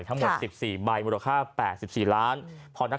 ทั้งหมด๑๔ใบมูลค่า๘๔ล้าน